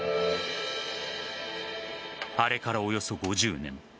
あれからおよそ５０年。